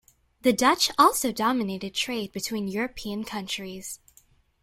The Dutch also dominated trade between European countries.